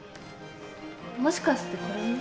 もしかしてこれも？